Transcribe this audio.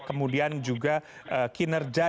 kemudian juga kinerja